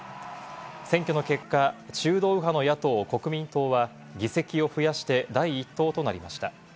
選挙の結果、中道右派の野党・国民党は議席を増やして、第１党となりました。